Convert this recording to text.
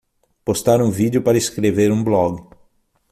Postar um vídeo para escrever um blog